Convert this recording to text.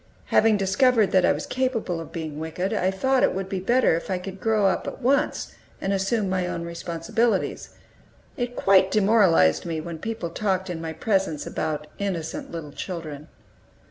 Having discovered that I was capable of being wicked, I thought it would be better if I could grow up at once, and assume my own responsibilities. It quite demoralized me when people talked in my presence about "innocent little children."